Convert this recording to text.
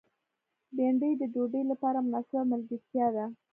بېنډۍ د ډوډۍ لپاره مناسبه ملګرتیا ده